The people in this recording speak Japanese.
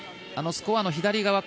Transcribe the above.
あのスコアの左側